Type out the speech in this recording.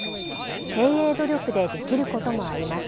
経営努力でできることもあります。